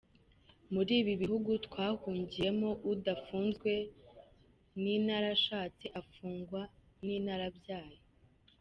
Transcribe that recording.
Muri ibi bihugu twahungiye mo, udafunzwe n’inarashatse, afungwa n’inarabyaye.